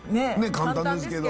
簡単ですけど。